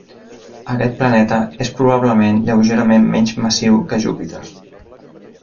Aquest planeta és probablement lleugerament menys massiu que Júpiter.